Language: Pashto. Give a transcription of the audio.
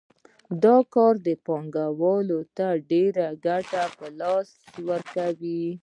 دا کار پانګوال ته ډېره ګټه په لاس ورکوي